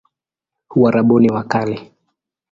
Uarabuni wa Kale